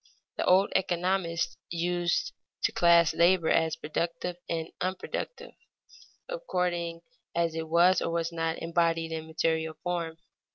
The old economists used to class labor as productive and unproductive according as it was or was not embodied in material form.